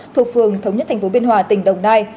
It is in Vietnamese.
thuộc phường thống nhất tp biên hòa tỉnh đồng nai